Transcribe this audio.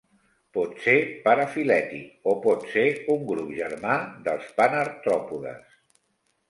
Pot ser parafilètic o pot ser un grup germà dels panartròpodes.